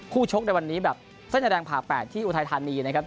คู่ชกในวันนี้แบบสร้างแดงผ่าแปดที่อุทัยธานีนะครับ